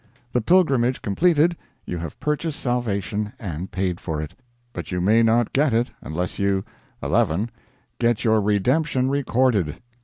The pilgrimage completed, you have purchased salvation, and paid for it. But you may not get it unless you 11. Get Your Redemption Recorded.